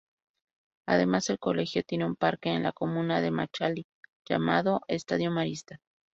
Además el colegio tiene un Parque en la comuna de Machalí, llamado Estadio Marista.